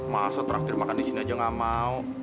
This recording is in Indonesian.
masa traktir makan disini aja gak mau